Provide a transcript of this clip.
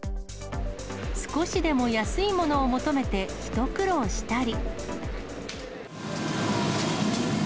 少しでも安いものを求めて一苦労したり。